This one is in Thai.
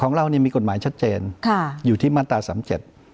ของเรานี่มีกฎหมายชัดเจนอยู่ที่มาตรศาสตร์๓๗